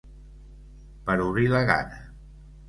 Per obrir la gana.